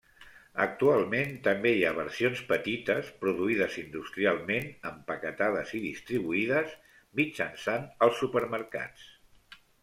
Actualment també hi ha versions petites produïdes industrialment, empaquetades i distribuïdes mitjançant els supermercats.